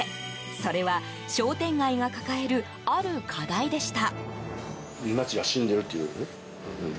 それは、商店街が抱えるある課題でした。